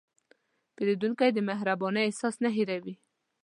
پیرودونکی د مهربانۍ احساس نه هېروي.